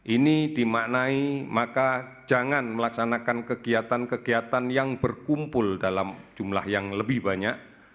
ini dimaknai maka jangan melaksanakan kegiatan kegiatan yang berkumpul dalam jumlah yang lebih banyak